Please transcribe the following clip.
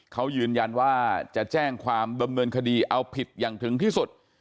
เขายืนยันว่าจะแจ้งความดำเนินคดีเอาผิดอย่างถึงที่สุด